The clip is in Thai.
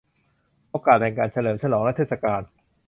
โอกาสแห่งการเฉลิมฉลองและเทศกาล